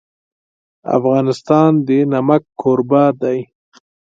افغانستان د نمک کوربه دی.